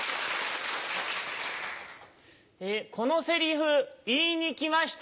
このセリフ言いに来ました